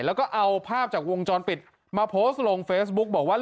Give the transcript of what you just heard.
แล้วก็เอาภาพจากวงจรปิดมาโพสต์ลงเฟซบุ๊กบอกว่า